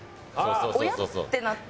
おや？ってなって。